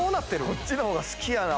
こっちの方が好きやな